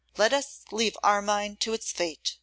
Let us leave Armine to its fate.